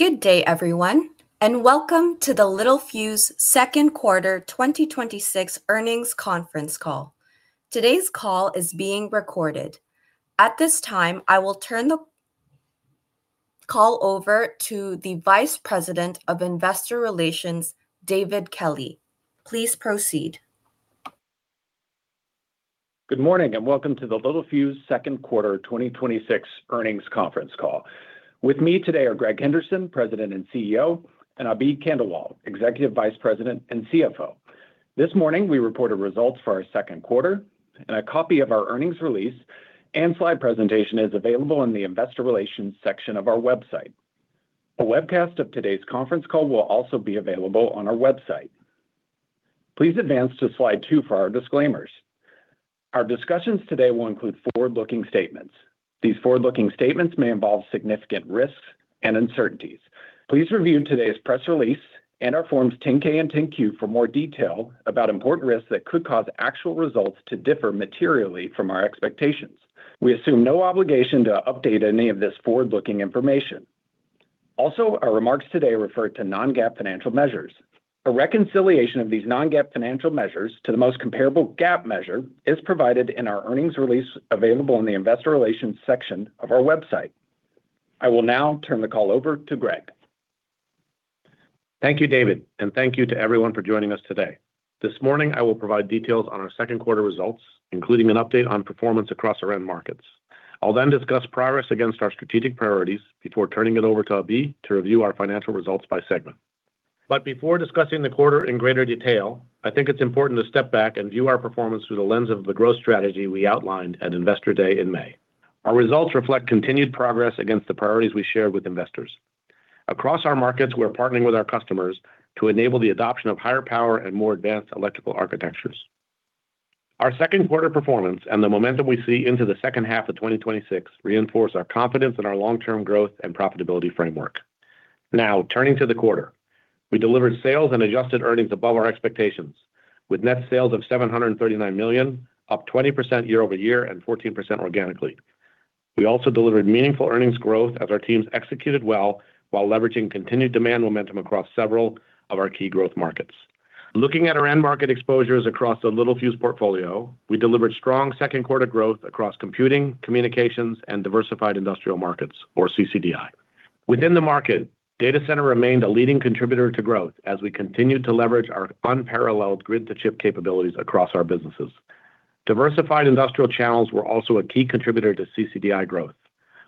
Good day, everyone, and welcome to the Littelfuse second quarter 2026 earnings conference call. Today's call is being recorded. At this time, I will turn the call over to the Vice President of Investor Relations, David Kelley. Please proceed. Good morning, and welcome to the Littelfuse second quarter 2026 earnings conference call. With me today are Greg Henderson, President and CEO, and Abhi Khandelwal, Executive Vice President and CFO. This morning, we reported results for our second quarter, and a copy of our earnings release and slide presentation is available in the investor relations section of our website. A webcast of today's conference call will also be available on our website. Please advance to slide two for our disclaimers. Our discussions today will include forward-looking statements. These forward-looking statements may involve significant risks and uncertainties. Please review today's press release and our forms 10-K and 10-Q for more detail about important risks that could cause actual results to differ materially from our expectations. We assume no obligation to update any of this forward-looking information. Also, our remarks today refer to non-GAAP financial measures. A reconciliation of these non-GAAP financial measures to the most comparable GAAP measure is provided in our earnings release available in the investor relations section of our website. I will now turn the call over to Greg. Thank you, David, and thank you to everyone for joining us today. This morning, I will provide details on our second quarter results, including an update on performance across our end markets. I'll then discuss progress against our strategic priorities before turning it over to Abhi to review our financial results by segment. Before discussing the quarter in greater detail, I think it's important to step back and view our performance through the lens of the growth strategy we outlined at Investor Day in May. Our results reflect continued progress against the priorities we shared with investors. Across our markets, we're partnering with our customers to enable the adoption of higher power and more advanced electrical architectures. Our second quarter performance and the momentum we see into the second half of 2026 reinforce our confidence in our long-term growth and profitability framework. Now, turning to the quarter. We delivered sales and adjusted earnings above our expectations with net sales of $739 million, up 20% year-over-year and 14% organically. We also delivered meaningful earnings growth as our teams executed well while leveraging continued demand momentum across several of our key growth markets. Looking at our end market exposures across the Littelfuse portfolio, we delivered strong second quarter growth across computing, communications, and diversified industrial markets, or CCDI. Within the market, data center remained a leading contributor to growth as we continued to leverage our unparalleled grid-to-chip capabilities across our businesses. Diversified industrial channels were also a key contributor to CCDI growth,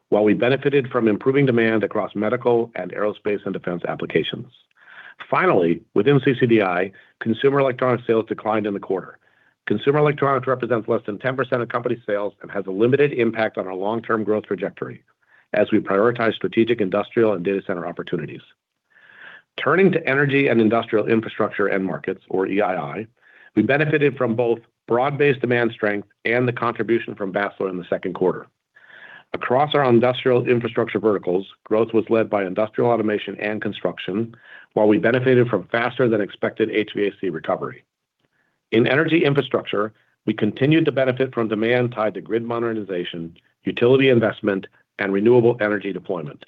while we benefited from improving demand across medical and A&D applications. Within CCDI, consumer electronics sales declined in the quarter. Consumer electronics represents less than 10% of company sales and has a limited impact on our long-term growth trajectory as we prioritize strategic industrial and data center opportunities. Turning to energy and industrial infrastructure end markets, or EII, we benefited from both broad-based demand strength and the contribution from Basler in the second quarter. Across our industrial infrastructure verticals, growth was led by industrial automation and construction, while we benefited from faster than expected HVAC recovery. In energy infrastructure, we continued to benefit from demand tied to grid modernization, utility investment, and renewable energy deployment.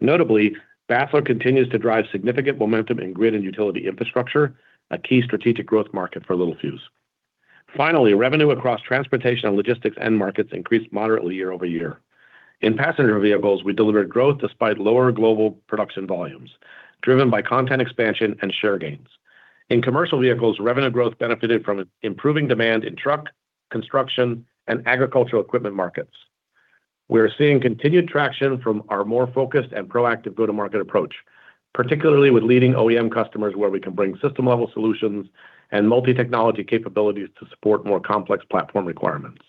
Notably, Basler continues to drive significant momentum in grid and utility infrastructure, a key strategic growth market for Littelfuse. Revenue across transportation and logistics end markets increased moderately year-over-year. In passenger vehicles, we delivered growth despite lower global production volumes, driven by content expansion and share gains. In commercial vehicles, revenue growth benefited from improving demand in truck, construction, and agricultural equipment markets. We're seeing continued traction from our more focused and proactive go-to-market approach, particularly with leading OEM customers where we can bring system-level solutions and multi-technology capabilities to support more complex platform requirements.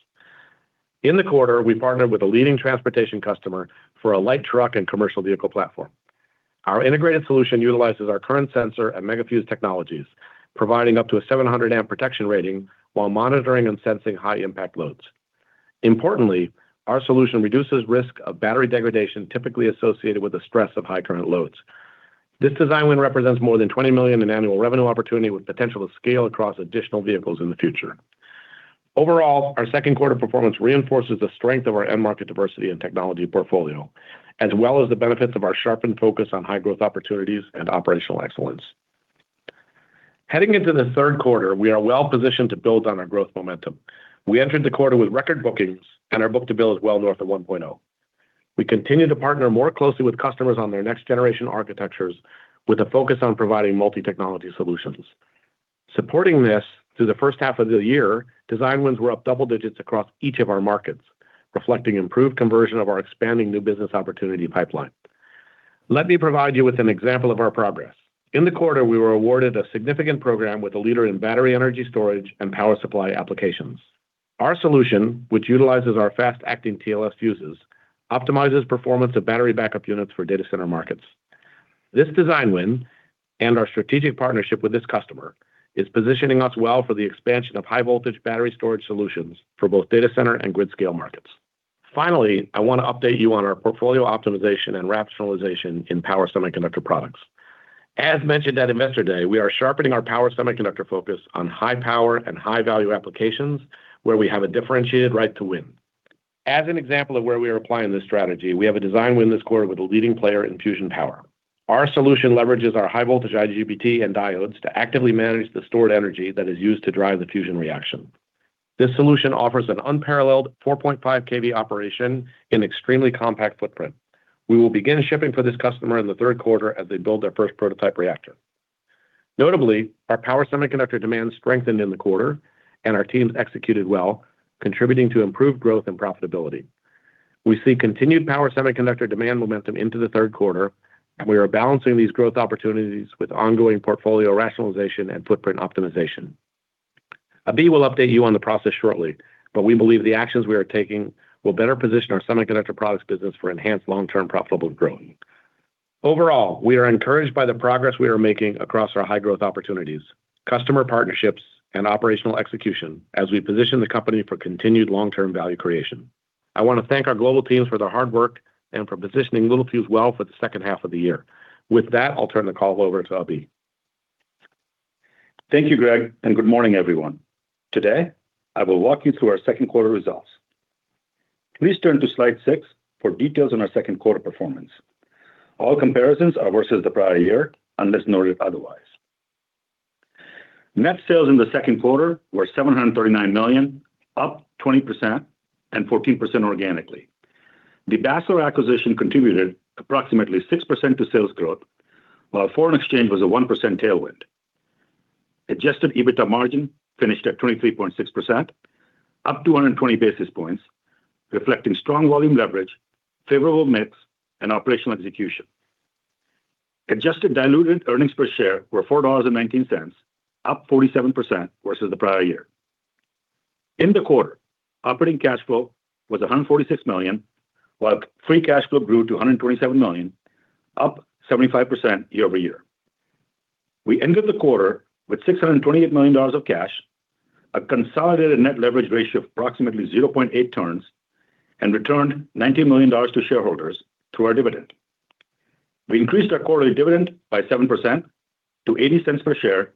In the quarter, we partnered with a leading transportation customer for a light truck and commercial vehicle platform. Our integrated solution utilizes our current sensor and MEGA Fuse technologies, providing up to a 700 amp protection rating while monitoring and sensing high-impact loads. Importantly, our solution reduces risk of battery degradation typically associated with the stress of high current loads. This design win represents more than $20 million in annual revenue opportunity with potential to scale across additional vehicles in the future. Overall, our second quarter performance reinforces the strength of our end market diversity and technology portfolio, as well as the benefits of our sharpened focus on high growth opportunities and operational excellence. Heading into the third quarter, we are well-positioned to build on our growth momentum. We entered the quarter with record bookings, and our book to bill is well north of 1.0. We continue to partner more closely with customers on their next-generation architectures with a focus on providing multi-technology solutions. Supporting this through the first half of the year, design wins were up double digits across each of our markets, reflecting improved conversion of our expanding new business opportunity pipeline. Let me provide you with an example of our progress. In the quarter, we were awarded a significant program with a leader in battery energy storage and power supply applications. Our solution, which utilizes our fast-acting TLS fuses, optimizes performance of battery backup units for data center markets. This design win and our strategic partnership with this customer is positioning us well for the expansion of high-voltage battery storage solutions for both data center and grid scale markets. Finally, I want to update you on our portfolio optimization and rationalization in power semiconductor products. As mentioned at Investor Day, we are sharpening our power semiconductor focus on high power and high value applications where we have a differentiated right to win. As an example of where we are applying this strategy, we have a design win this quarter with a leading player in fusion power. Our solution leverages our high voltage IGBT and diodes to actively manage the stored energy that is used to drive the fusion reaction. This solution offers an unparalleled 4.5 kV operation in extremely compact footprint. We will begin shipping for this customer in the third quarter as they build their first prototype reactor. Notably, our power semiconductor demand strengthened in the quarter, and our teams executed well, contributing to improved growth and profitability. We see continued power semiconductor demand momentum into the third quarter. We are balancing these growth opportunities with ongoing portfolio rationalization and footprint optimization. Abhi will update you on the process shortly. We believe the actions we are taking will better position our semiconductor products business for enhanced long-term profitable growth. Overall, we are encouraged by the progress we are making across our high-growth opportunities, customer partnerships, and operational execution as we position the company for continued long-term value creation. I want to thank our global teams for their hard work and for positioning Littelfuse well for the second half of the year. With that, I'll turn the call over to Abhi. Thank you, Greg. Good morning, everyone. Today, I will walk you through our second quarter results. Please turn to slide six for details on our second quarter performance. All comparisons are versus the prior year, unless noted otherwise. Net sales in the second quarter were $739 million, up 20% and 14% organically. The Basler acquisition contributed approximately 6% to sales growth, while foreign exchange was a 1% tailwind. Adjusted EBITDA margin finished at 23.6%, up 220 basis points, reflecting strong volume leverage, favorable mix, and operational execution. Adjusted diluted earnings per share were $4.19, up 47% versus the prior year. In the quarter, operating cash flow was $146 million, while free cash flow grew to $127 million, up 75% year-over-year. We ended the quarter with $628 million of cash, a consolidated net leverage ratio of approximately 0.8x, and returned $90 million to shareholders through our dividend. We increased our quarterly dividend by 7% to $0.80 per share,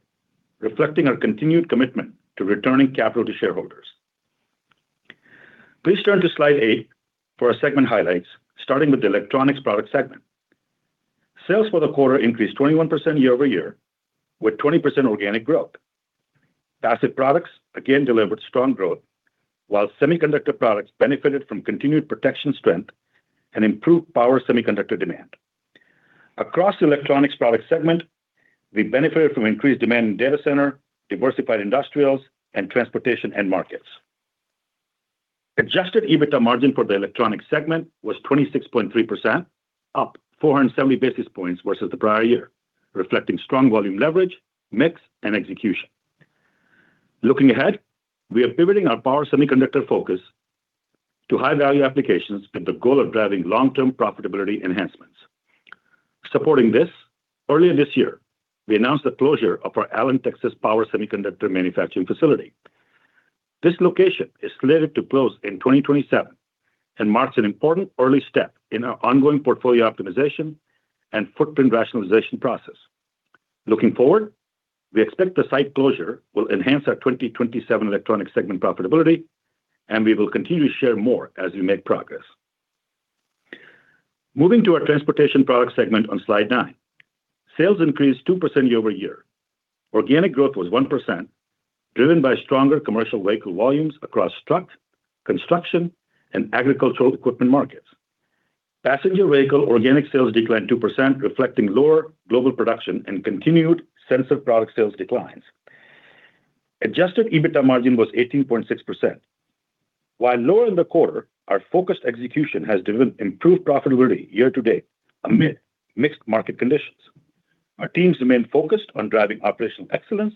reflecting our continued commitment to returning capital to shareholders. Please turn to slide eight for our segment highlights, starting with the electronics product segment. Sales for the quarter increased 21% year-over-year, with 20% organic growth. Passive products again delivered strong growth, while semiconductor products benefited from continued protection strength and improved power semiconductor demand. Across the electronics products segment, we benefited from increased demand in data center, diversified industrials, and transportation end markets. Adjusted EBITDA margin for the electronics segment was 26.3%, up 470 basis points versus the prior year, reflecting strong volume leverage, mix, and execution. Looking ahead, we are pivoting our power semiconductor focus to high-value applications with the goal of driving long-term profitability enhancements. Supporting this, earlier this year, we announced the closure of our Allen, Texas, power semiconductor manufacturing facility. This location is slated to close in 2027 and marks an important early step in our ongoing portfolio optimization and footprint rationalization process. Looking forward, we expect the site closure will enhance our 2027 electronic segment profitability, and we will continue to share more as we make progress. Moving to our transportation products segment on Slide nine. Sales increased 2% year-over-year. Organic growth was 1%, driven by stronger commercial vehicle volumes across trucks, construction, and agricultural equipment markets. Passenger vehicle organic sales declined 2%, reflecting lower global production and continued sensor product sales declines. Adjusted EBITDA margin was 18.6%. While lower in the quarter, our focused execution has driven improved profitability year-to-date amid mixed market conditions. Our teams remain focused on driving operational excellence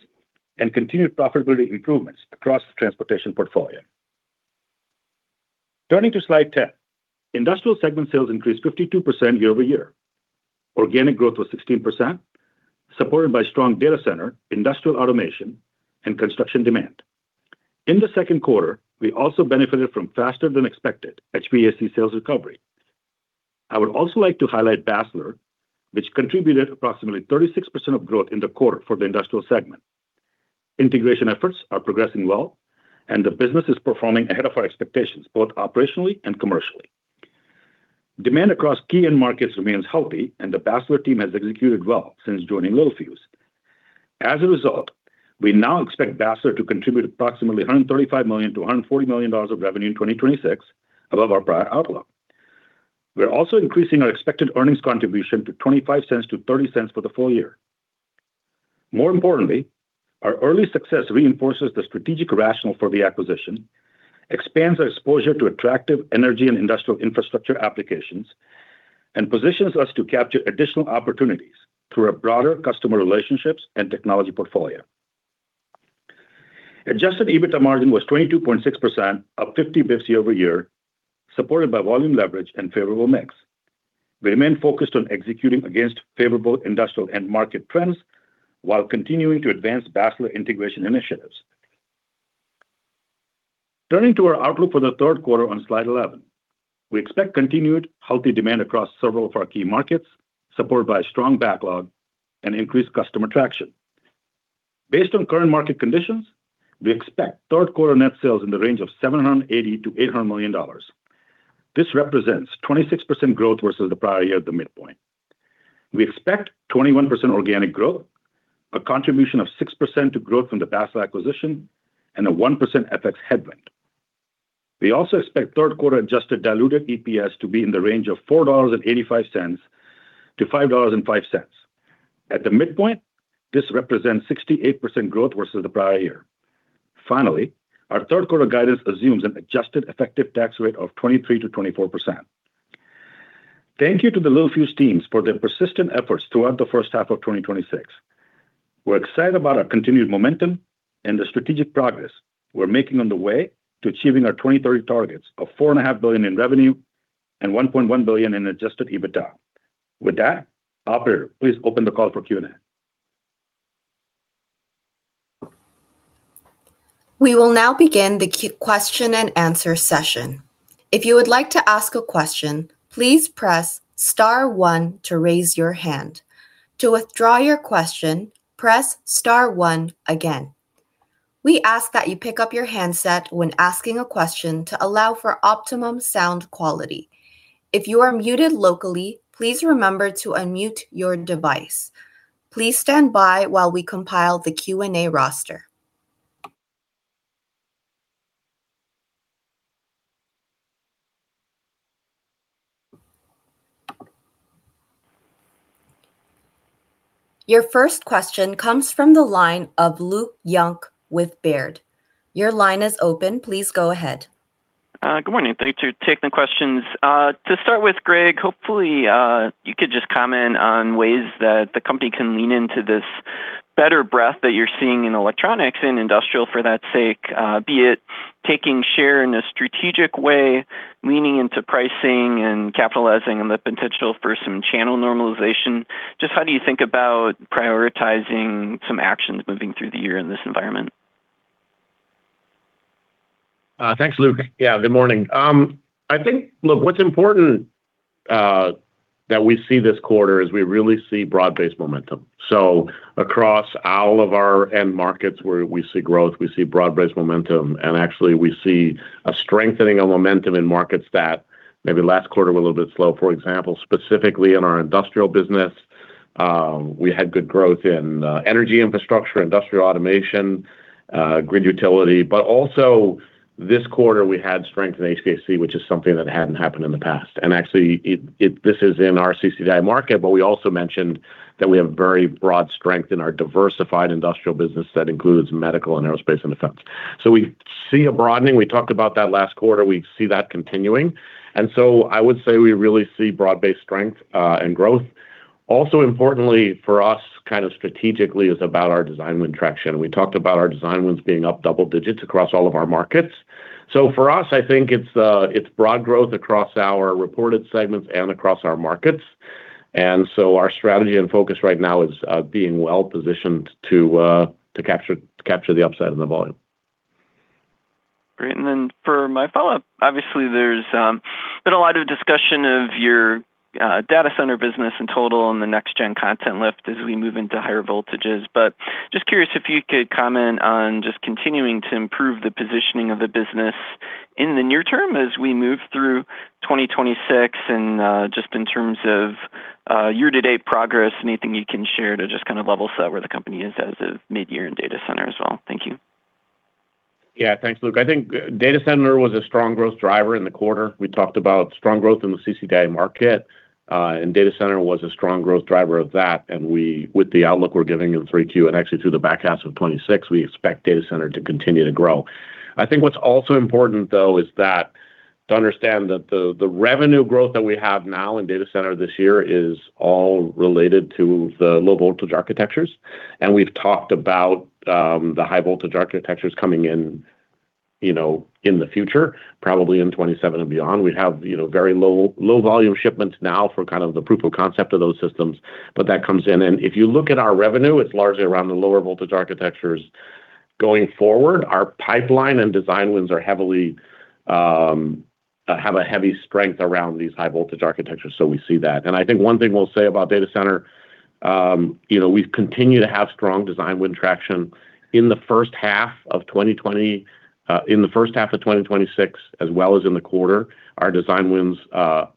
and continued profitability improvements across the transportation portfolio. Turning to slide 10. Industrial segment sales increased 52% year-over-year. Organic growth was 16%, supported by strong data center, industrial automation, and construction demand. In the second quarter, we also benefited from faster-than-expected HVAC sales recovery. I would also like to highlight Basler, which contributed approximately 36% of growth in the quarter for the industrial segment. Integration efforts are progressing well, and the business is performing ahead of our expectations, both operationally and commercially. Demand across key end markets remains healthy, and the Basler team has executed well since joining Littelfuse. As a result, we now expect Basler to contribute approximately $135 million-$140 million of revenue in 2026 above our prior outlook. We are also increasing our expected earnings contribution to $0.25-$0.30 for the full year. More importantly, our early success reinforces the strategic rationale for the acquisition, expands our exposure to attractive energy and industrial infrastructure applications, and positions us to capture additional opportunities through our broader customer relationships and technology portfolio. Adjusted EBITDA margin was 22.6%, up 50 basis points year-over-year, supported by volume leverage and favorable mix. We remain focused on executing against favorable industrial end market trends while continuing to advance Basler integration initiatives. Turning to our outlook for the third quarter on slide 11. We expect continued healthy demand across several of our key markets, supported by strong backlog and increased customer traction. Based on current market conditions, we expect third quarter net sales in the range of $780 million-$800 million. This represents 26% growth versus the prior year at the midpoint. We expect 21% organic growth, a contribution of 6% to growth from the Basler acquisition, and a 1% FX headwind. We also expect third quarter adjusted diluted EPS to be in the range of $4.85-$5.05. At the midpoint, this represents 68% growth versus the prior year. Finally, our third quarter guidance assumes an adjusted effective tax rate of 23%-24%. Thank you to the Littelfuse teams for their persistent efforts throughout the first half of 2026. We're excited about our continued momentum and the strategic progress we're making on the way to achieving our 2030 targets of $4.5 billion in revenue and $1.1 billion in adjusted EBITDA. With that, operator, please open the call for Q&A. We will now begin the Q question and answer session. If you would like to ask a question, please press star one to raise your hand. To withdraw your question, press star one again. We ask that you pick up your handset when asking a question to allow for optimum sound quality. If you are muted locally, please remember to unmute your device. Please stand by while we compile the Q&A roster. Your first question comes from the line of Luke Junk with Baird. Your line is open. Please go ahead. Good morning. Thank you. Taking the questions. To start with, Greg, hopefully, you could just comment on ways that the company can lean into this better breadth that you're seeing in electronics and industrial, for that sake, be it taking share in a strategic way, leaning into pricing and capitalizing on the potential for some channel normalization. Just how do you think about prioritizing some actions moving through the year in this environment? Thanks, Luke. Yeah, good morning. I think, look, what's important that we see this quarter is we really see broad-based momentum. Across all of our end markets where we see growth, we see broad-based momentum, and actually we see a strengthening of momentum in markets that maybe last quarter were a little bit slow. For example, specifically in our industrial business, we had good growth in energy infrastructure, industrial automation, grid utility. Also this quarter we had strength in HVAC, which is something that hadn't happened in the past. Actually, this is in our CCDI market, but we also mentioned that we have very broad strength in our diversified industrial business that includes medical and aerospace and defense. We see a broadening. We talked about that last quarter. We see that continuing, and I would say we really see broad-based strength, and growth. Importantly for us kind of strategically is about our design win traction. We talked about our design wins being up double digits across all of our markets. For us, I think it's broad growth across our reported segments and across our markets. Our strategy and focus right now is being well-positioned to capture the upside and the volume. Great. For my follow-up, obviously there's been a lot of discussion of your data center business in total and the next-gen content lift as we move into higher voltages, but just curious if you could comment on just continuing to improve the positioning of the business in the near term as we move through 2026 and just in terms of year-to-date progress, anything you can share to just kind of level set where the company is as of mid-year in data center as well? Thank you. Yeah, thanks, Luke. I think data center was a strong growth driver in the quarter. We talked about strong growth in the CCDI market, data center was a strong growth driver of that. With the outlook we're giving in 3Q and actually through the back half of 2026, we expect data center to continue to grow. I think what's also important, though, is that to understand that the revenue growth that we have now in data center this year is all related to the low-voltage architectures, and we've talked about the high-voltage architectures coming in the future, probably in 2027 and beyond. We have very low volume shipments now for kind of the proof of concept of those systems, but that comes in, and if you look at our revenue, it's largely around the lower voltage architectures. Going forward, our pipeline and design wins have a heavy strength around these high-voltage architectures, so we see that. I think one thing we'll say about data center, we've continued to have strong design win traction in the first half of 2026 as well as in the quarter. Our design wins,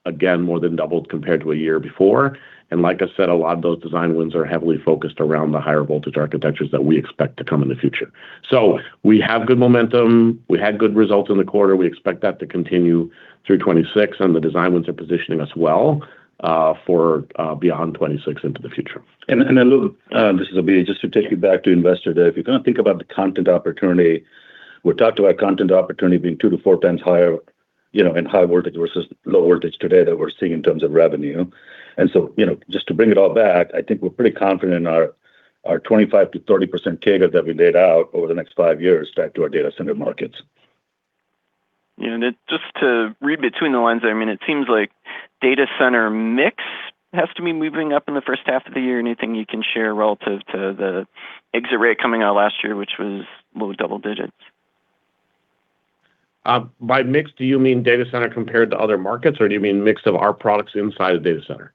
again, more than doubled compared to a year before. Like I said, a lot of those design wins are heavily focused around the higher voltage architectures that we expect to come in the future. We have good momentum. We had good results in the quarter. We expect that to continue through 2026, and the design wins are positioning us well for beyond 2026 into the future. Luke, this is Abhi. Just to take you back to Investor Day, if you kind of think about the content opportunity, we talked about content opportunity being 2x-4x higher in high voltage versus low voltage today that we're seeing in terms of revenue. Just to bring it all back, I think we're pretty confident in our 25%-30% CAGR that we laid out over the next five years tied to our data center markets. Yeah. Just to read between the lines, it seems like data center mix has to be moving up in the first half of the year. Anything you can share relative to the exit rate coming out last year, which was low double digits? By mix, do you mean data center compared to other markets, or do you mean mix of our products inside the data center?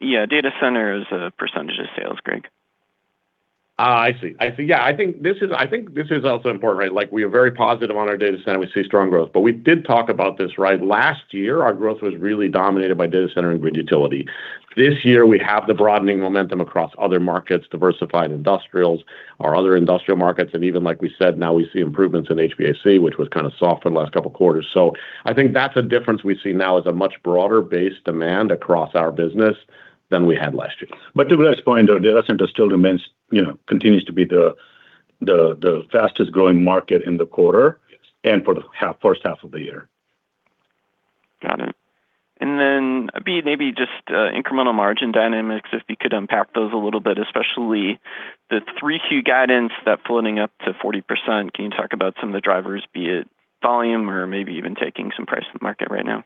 Yeah, data center as a percentage of sales, Greg. I see. I think this is also important. We are very positive on our data center. We see strong growth. We did talk about this last year, our growth was really dominated by data center and grid utility. This year, we have the broadening momentum across other markets, diversified industrials, our other industrial markets, and even like we said, now we see improvements in HVAC, which was kind of soft for the last couple of quarters. I think that's a difference we see now is a much broader base demand across our business than we had last year. To Greg's point, our data center still continues to be the fastest-growing market in the quarter. Yes. For the first half of the year. Got it. Abhi, maybe just incremental margin dynamics, if you could unpack those a little bit, especially the 3Q guidance, that floating up to 40%. Can you talk about some of the drivers, be it volume or maybe even taking some price for the market right now?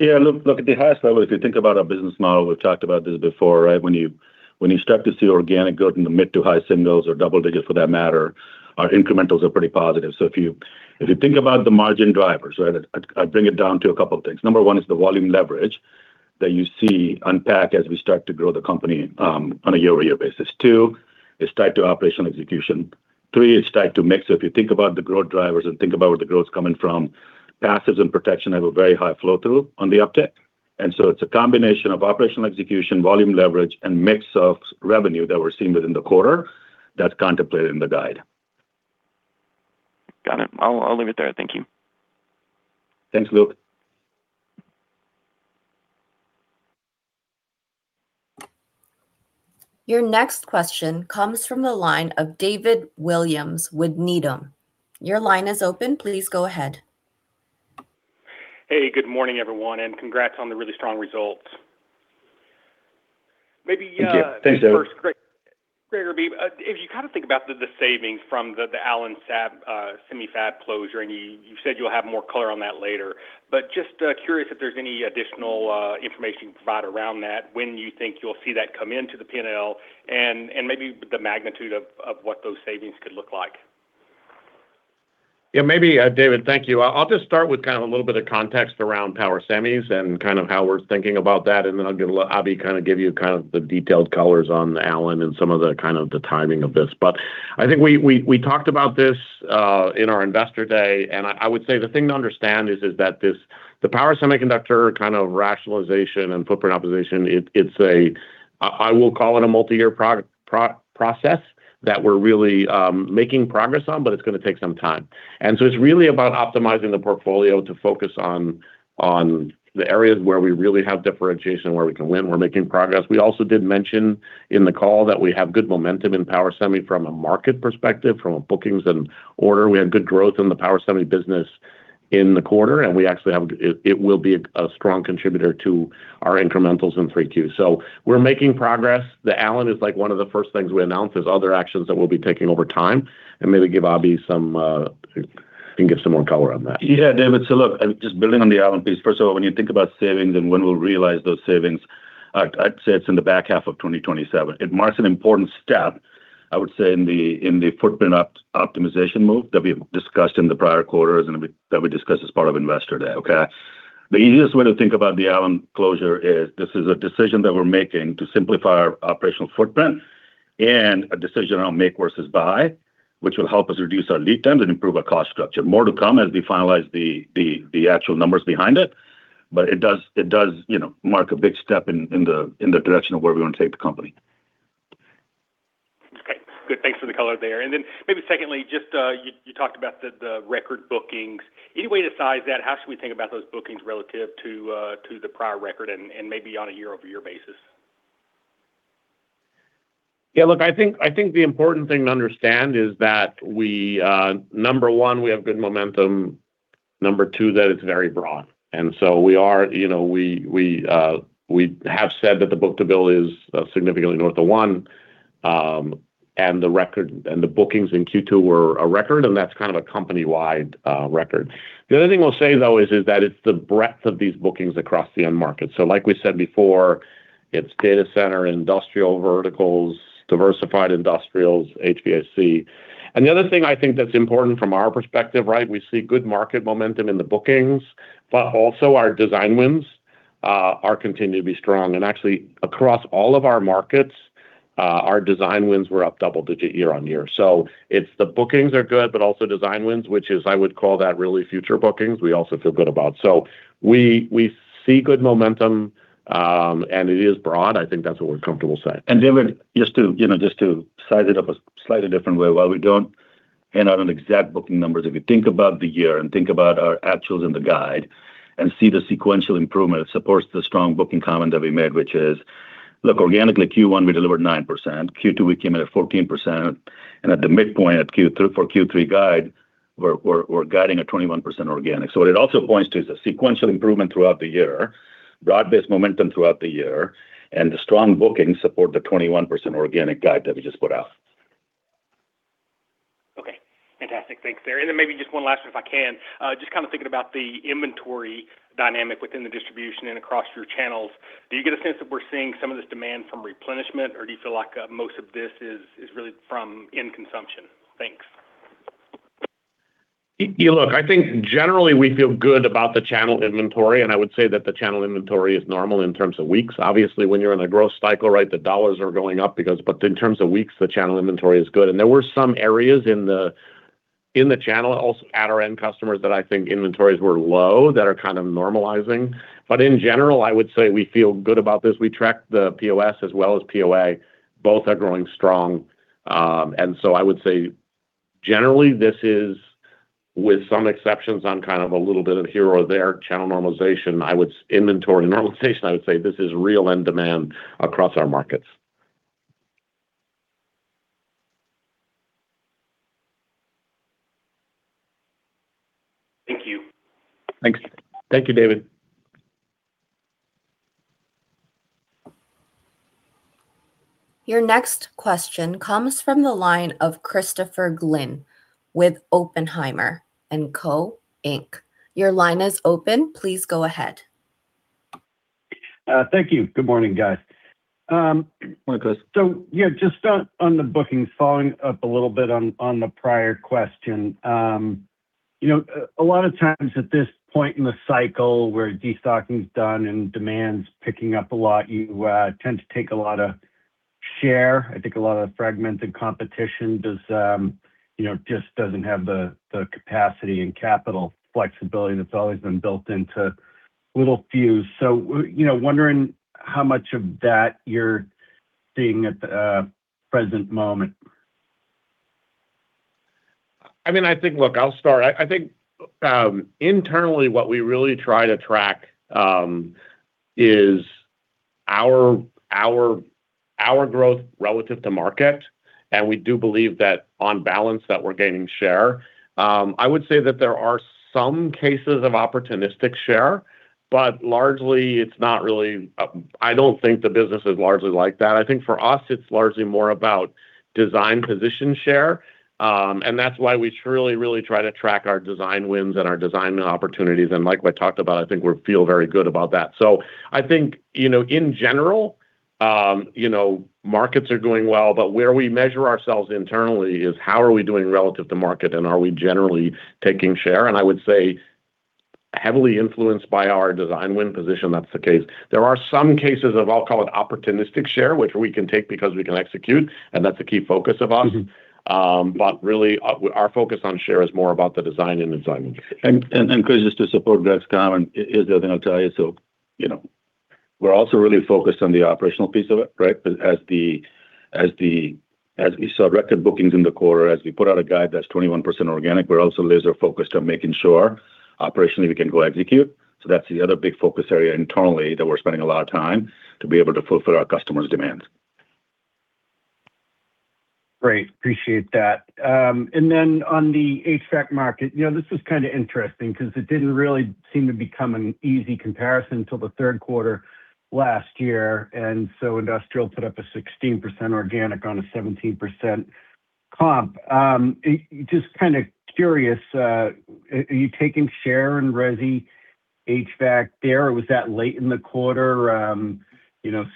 Look, at the highest level, if you think about our business model, we've talked about this before. When you start to see organic growth in the mid to high singles or double digits for that matter, our incrementals are pretty positive. If you think about the margin drivers, I'd bring it down to a couple of things. Number one is the volume leverage that you see unpack as we start to grow the company on a year-over-year basis. Two, it's tied to operational execution. Three, it's tied to mix. If you think about the growth drivers and think about where the growth is coming from, passives and protection have a very high flow-through on the uptick. It's a combination of operational execution, volume leverage, and mix of revenue that we're seeing within the quarter that's contemplated in the guide. Got it. I'll leave it there. Thank you. Thanks, Luke. Your next question comes from the line of David Williams with Needham. Your line is open. Please go ahead. Hey, good morning, everyone, and congrats on the really strong results. Thank you. Thanks, David. Maybe first, Greg or Abhi, if you think about the savings from the Allen semi-fab closure, you said you'll have more color on that later, just curious if there's any additional information you can provide around that, when you think you'll see that come into the P&L, and maybe the magnitude of what those savings could look like. Yeah, maybe, David. Thank you. I'll just start with kind of a little bit of context around power semis and kind of how we're thinking about that, then I'll give Abhi kind of give you the detailed colors on Allen and some of the kind of the timing of this. I think we talked about this in our investor day, I would say the thing to understand is that the power semiconductor kind of rationalization and footprint optimization, I will call it a multi-year process that we're really making progress on, but it's going to take some time. It's really about optimizing the portfolio to focus on the areas where we really have differentiation, where we can win. We're making progress. We also did mention in the call that we have good momentum in power semi from a market perspective, from a bookings and order. We have good growth in the power semi business in the quarter, it will be a strong contributor to our incrementals in 3Q. We're making progress. The Allen is one of the first things we announced. There's other actions that we'll be taking over time, maybe give Abhi some more color on that. Yeah, David, look, just building on the Allen piece. First of all, when you think about savings and when we'll realize those savings, I'd say it's in the back half of 2027. It marks an important step, I would say, in the footprint optimization move that we've discussed in the prior quarters and that we discussed as part of Investor Day. Okay? The easiest way to think about the Allen closure is this is a decision that we're making to simplify our operational footprint and a decision on make versus buy, which will help us reduce our lead times and improve our cost structure. More to come as we finalize the actual numbers behind it does mark a big step in the direction of where we want to take the company. Okay, good. Thanks for the color there. Maybe secondly, just you talked about the record bookings. Any way to size that? How should we think about those bookings relative to the prior record and maybe on a year-over-year basis? Yeah, look, I think the important thing to understand is that we, number one, we have good momentum. Number two, that it's very broad. We have said that the book-to-bill is significantly north of one, and the bookings in Q2 were a record, and that's kind of a company-wide record. The other thing we'll say, though, is that it's the breadth of these bookings across the end market. Like we said before, it's data center, industrial verticals, diversified industrials, HVAC. The other thing I think that's important from our perspective, we see good market momentum in the bookings, also our design wins are continuing to be strong. Actually, across all of our markets, our design wins were up double digit year-on-year. It's the bookings are good, also design wins, which is, I would call that really future bookings we also feel good about. We see good momentum, it is broad. I think that's what we're comfortable saying. David, just to size it up a slightly different way, while we don't hand out on exact booking numbers, if you think about the year and think about our actuals in the guide and see the sequential improvement, it supports the strong booking comment that we made, which is, look, organically Q1, we delivered 9%. Q2, we came in at 14%, and at the midpoint for Q3 guide, we're guiding at 21% organic. What it also points to is a sequential improvement throughout the year, broad-based momentum throughout the year, and the strong bookings support the 21% organic guide that we just put out. Okay, fantastic. Thanks, there. Then maybe just one last one, if I can. Just kind of thinking about the inventory dynamic within the distribution and across your channels. Do you get a sense that we're seeing some of this demand from replenishment, or do you feel like most of this is really from end consumption? Thanks. Look, I think generally we feel good about the channel inventory, and I would say that the channel inventory is normal in terms of weeks. Obviously, when you're in a growth cycle, the dollar are going up, but in terms of weeks, the channel inventory is good. There were some areas in the channel, also at our end customers, that I think inventories were low that are kind of normalizing. In general, I would say we feel good about this. We tracked the POS as well as POS. Both are growing strong. So I would say generally this is with some exceptions on kind of a little bit of here or there channel normalization, inventory normalization, I would say this is real end demand across our markets. Thank you. Thanks. Thank you, David. Your next question comes from the line of Christopher Glynn with Oppenheimer & Co. Inc. Your line is open. Please go ahead. Thank you. Good morning, guys. Morning, Chris. Yeah, just on the bookings, following up a little bit on the prior question. A lot of times at this point in the cycle where de-stocking's done and demand's picking up a lot, you tend to take a lot of share. I think a lot of the fragmented competition just doesn't have the capacity and capital flexibility that's always been built into Littelfuse. Wondering how much of that you're seeing at the present moment. Look, I'll start. I think internally what we really try to track is our growth relative to market, and we do believe that on balance that we're gaining share. I would say that there are some cases of opportunistic share, but largely I don't think the business is largely like that. I think for us it's largely more about design position share. That's why we truly, really try to track our design wins and our design opportunities. Like I talked about, I think we feel very good about that. I think, in general, markets are doing well, but where we measure ourselves internally is how are we doing relative to market and are we generally taking share? I would say heavily influenced by our design win position, that's the case. There are some cases of, I'll call it opportunistic share, which we can take because we can execute, and that's a key focus of ours. Really, our focus on share is more about the design and assignment. Chris, just to support Greg's comment, here's the other thing I'll tell you. We're also really focused on the operational piece of it, right? As we saw record bookings in the quarter, as we put out a guide that's 21% organic, we're also laser focused on making sure operationally we can go execute. That's the other big focus area internally that we're spending a lot of time to be able to fulfill our customers' demands. Great. Appreciate that. On the HVAC market, this was kind of interesting because it didn't really seem to become an easy comparison till the third quarter last year, industrial put up a 16% organic on a 17% comp. Just kind of curious, are you taking share in resi HVAC there, or was that late in the quarter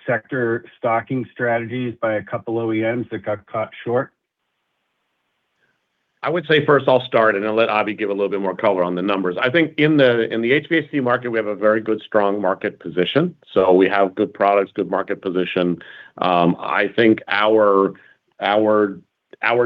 sector stocking strategies by a couple OEMs that got caught short? I would say first I'll start, and then I'll let Abhi give a little bit more color on the numbers. I think in the HVAC market, we have a very good, strong market position. We have good products, good market position. I think our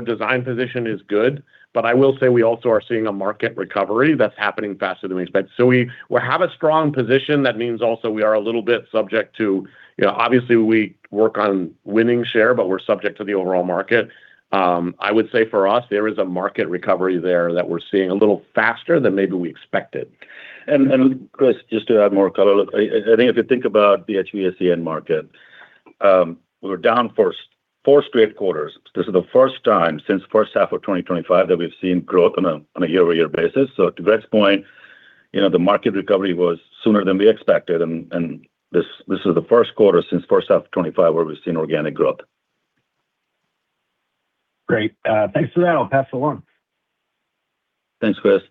design position is good, but I will say we also are seeing a market recovery that's happening faster than we expected. We have a strong position. That means also we are a little bit subject to, obviously we work on winning share, but we're subject to the overall market. I would say for us, there is a market recovery there that we're seeing a little faster than maybe we expected. Chris, just to add more color, look, I think if you think about the HVAC end market, we were down for four straight quarters. This is the first time since first half of 2025 that we've seen growth on a year-over-year basis. To Greg's point, the market recovery was sooner than we expected, this is the first quarter since first half of 2025 where we've seen organic growth. Great. Thanks for that. I'll pass along. Thanks, Chris.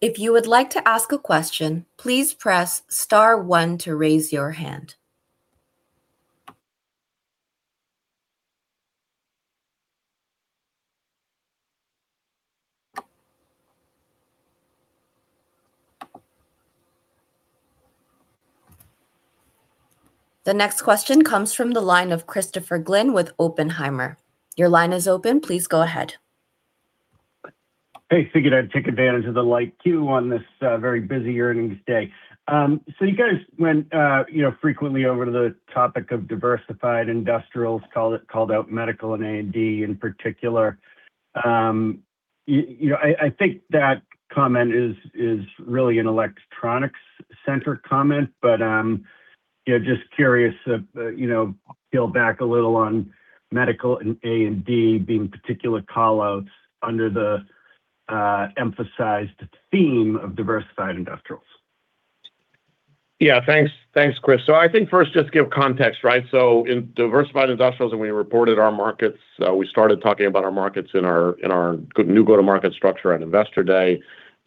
If you would like to ask a question, please press star one to raise your hand. The next question comes from the line of Christopher Glynn with Oppenheimer. Your line is open. Please go ahead. Hey, figured I'd take advantage of the light queue on this very busy earnings day. You guys went frequently over the topic of diversified industrials, called out medical and A&D in particular. I think that comment is really an electronics center comment. Just curious if you peel back a little on medical and A&D being particular call-outs under the emphasized theme of diversified industrials. Yeah. Thanks, Chris. I think first just give context, right? In Diversified Industrials, and we reported our markets, we started talking about our markets in our new go-to-market structure on Investor Day.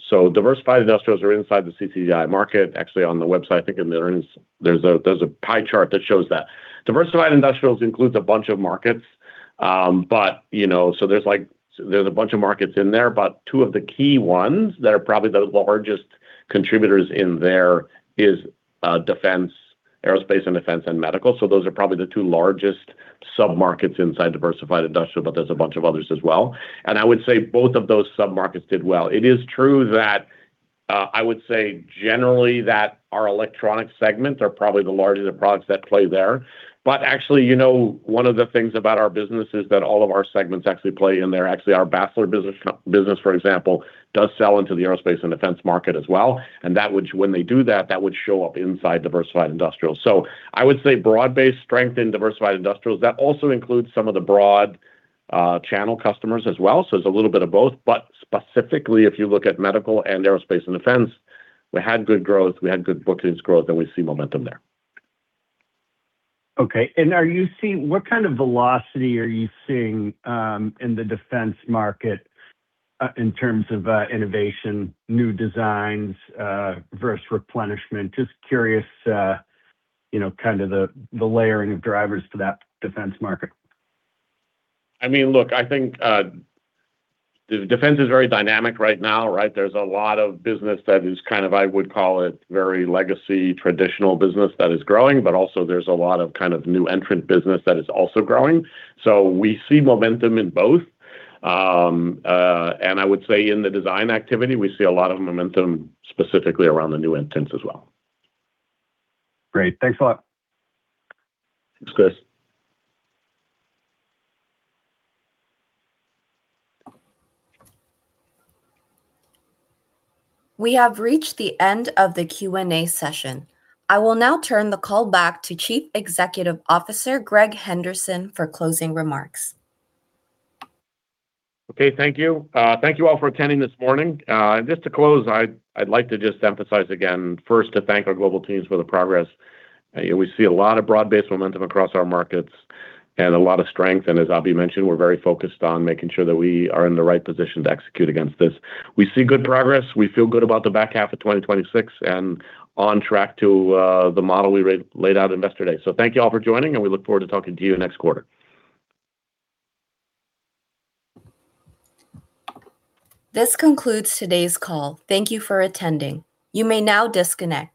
Diversified Industrials are inside the CCDI market. Actually, on the website, I think in the earnings, there's a pie chart that shows that. Diversified Industrials includes a bunch of markets. There's a bunch of markets in there, but two of the key ones that are probably the largest contributors in there is aerospace and defense, and medical. Those are probably the two largest sub-markets inside Diversified Industrial, but there's a bunch of others as well. I would say both of those sub-markets did well. It is true that, I would say generally that our electronic segments are probably the largest of products that play there. Actually, one of the things about our business is that all of our segments actually play in there. Actually, our Basler business, for example, does sell into the aerospace and defense market as well, and when they do that would show up inside Diversified Industrial. I would say broad-based strength in Diversified Industrials. That also includes some of the broad channel customers as well, so it's a little bit of both, but specifically if you look at medical and aerospace and defense, we had good growth, we had good bookings growth, and we see momentum there. Okay. What kind of velocity are you seeing in the defense market in terms of innovation, new designs versus replenishment? Just curious, kind of the layering of drivers for that defense market. Look, I think defense is very dynamic right now, right? There's a lot of business that is kind of, I would call it very legacy, traditional business that is growing, but also there's a lot of kind of new entrant business that is also growing. We see momentum in both. I would say in the design activity, we see a lot of momentum specifically around the new entrants as well. Great. Thanks a lot. Thanks, Chris. We have reached the end of the Q&A session. I will now turn the call back to Chief Executive Officer, Greg Henderson, for closing remarks. Okay. Thank you. Thank you all for attending this morning. Just to close, I'd like to just emphasize again, first to thank our global teams for the progress. We see a lot of broad-based momentum across our markets and a lot of strength, and as Abhi mentioned, we're very focused on making sure that we are in the right position to execute against this. We see good progress. We feel good about the back half of 2026 and on track to the model we laid out Investor Day. Thank you all for joining, and we look forward to talking to you next quarter. This concludes today's call. Thank you for attending. You may now disconnect.